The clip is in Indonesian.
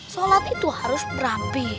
sholat itu harus berapi